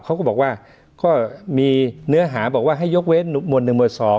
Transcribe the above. เขาก็บอกว่าก็มีเนื้อหาบอกว่าให้ยกเว้นหมวด๑หมวด๒